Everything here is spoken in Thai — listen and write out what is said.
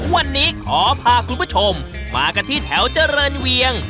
วันนี้ขอพาคุณผู้ชมมากันที่แถวเจริญเวียง